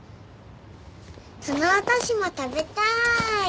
このお菓子も食べたーい！